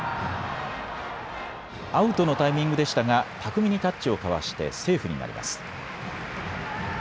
アウトのタイミングでしたが巧みにタッチをかわしてセーフになります。